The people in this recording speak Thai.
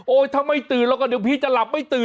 ถ้าไม่ตื่นแล้วก็เดี๋ยวพี่จะหลับไม่ตื่น